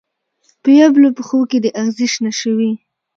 په یبلو پښو کې دې اغزې شنه شوي